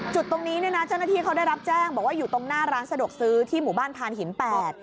จุดตรงนี้เนี่ยนะเจ้าหน้าที่เขาได้รับแจ้งบอกว่าอยู่ตรงหน้าร้านสะดวกซื้อที่หมู่บ้านพานหินแปด